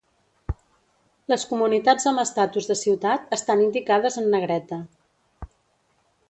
Les comunitats amb estatus de ciutat estan indicades en negreta.